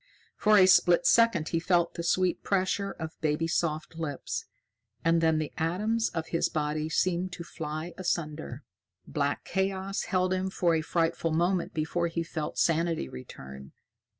For a split second he felt the sweet pressure of baby soft lips, and then the atoms of his body seemed to fly asunder. Black chaos held him for a frightful moment before he felt sanity return.